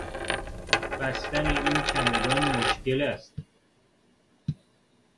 بستن این چمدان مشکل است.